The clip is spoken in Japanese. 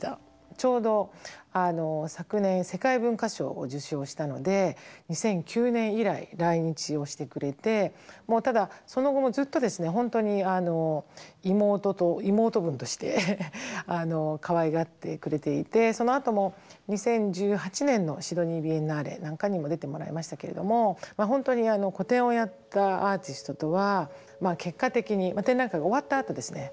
ちょうど昨年世界文化賞を受賞したので２００９年以来来日をしてくれてただその後もずっと本当に妹分としてかわいがってくれていてそのあとも２０１８年のシドニー・ビエンナーレなんかにも出てもらいましたけれども本当に個展をやったアーティストとは結果的に展覧会が終わったあとですね